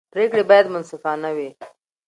پرېکړې باید منصفانه وي